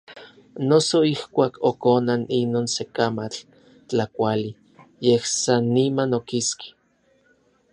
Noso ijkuak okonan inon se kamatl tlakuali, yej san niman okiski.